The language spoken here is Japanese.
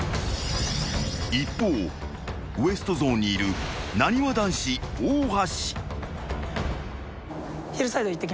［一方ウエストゾーンにいるなにわ男子大橋］